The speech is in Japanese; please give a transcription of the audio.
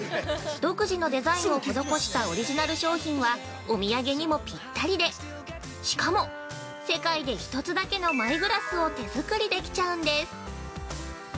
独自のデザインを施したオリジナル商品は、お土産にもぴったりで、しかも、世界で１つだけのマイグラスを手作りできちゃうんです。